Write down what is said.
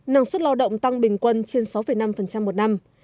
năng suất lao động tăng bình quân trên sáu năm một năm